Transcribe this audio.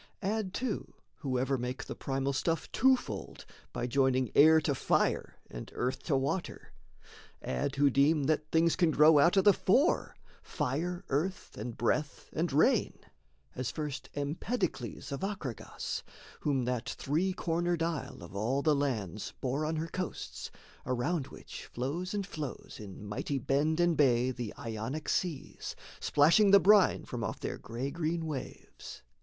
Add, too, whoever make the primal stuff Twofold, by joining air to fire, and earth To water; add who deem that things can grow Out of the four fire, earth, and breath, and rain; As first Empedocles of Acragas, Whom that three cornered isle of all the lands Bore on her coasts, around which flows and flows In mighty bend and bay the Ionic seas, Splashing the brine from off their gray green waves.